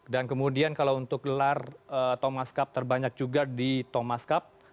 dan kemudian kalau untuk gelar thomas cup terbanyak juga di thomas cup